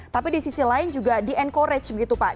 tapi di sisi lain juga di encourage begitu pak